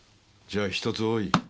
じゃあ１つ多い。